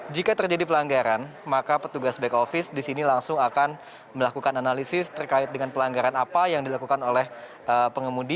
jika terjadi pelanggaran maka petugas back office di sini langsung akan melakukan analisis terkait dengan pelanggaran apa yang dilakukan oleh pengemudi